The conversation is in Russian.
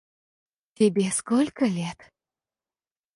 Тебе сколько лет?